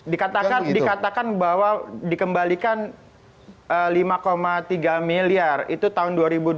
dikatakan bahwa dikembalikan lima tiga miliar itu tahun dua ribu dua puluh